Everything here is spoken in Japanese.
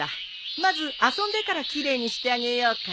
まず遊んでから奇麗にしてあげようか。